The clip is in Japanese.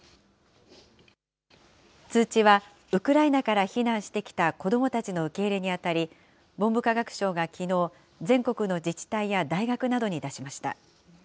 通知はウクライナから避難してきた子どもたちの受け入れにあたり、文部科学省がきのう、全国の自治体や大学などに出しました。